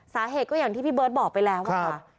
สาเหตุก็อย่างที่พี่เบิร์ตบอกไปแล้วค่ะ